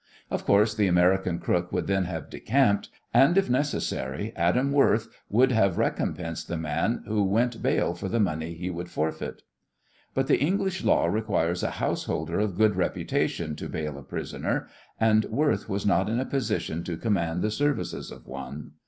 Of course, the American crook would then have decamped, and if necessary Adam Worth would have recompensed the man who went bail for the money he would forfeit. But the English law requires a householder of good reputation to bail a prisoner, and Worth was not in a position to command the services of one.